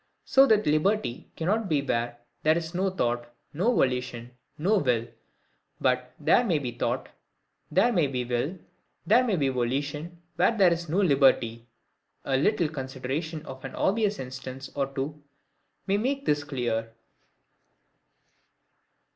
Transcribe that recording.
So that liberty cannot be where there is no thought, no volition, no will; but there may be thought, there may be will, there may be volition, where there is no liberty. A little consideration of an obvious instance or two may make this clear.